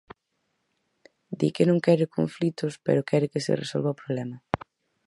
Di que non quere conflitos pero quere que se resolva o problema.